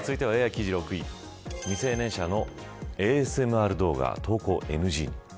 ＡＩの記事６位、未成年者のＡＳＭＲ動画、投稿ＮＧに。